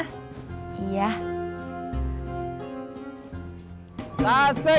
tasik tasik tasik tasik